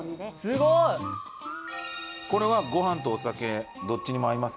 すごい！これはご飯とお酒どっちにも合いますか？